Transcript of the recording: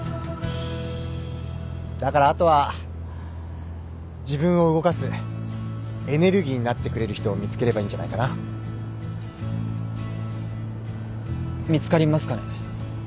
だからあとは自分を動かすエネルギーになってくれる人を見つければいいんじゃないかな？見つかりますかね？